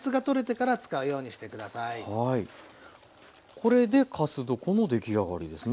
これでかす床の出来上がりですね。